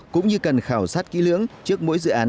cũng như cần khảo sát kỹ lưỡng trước mỗi dự án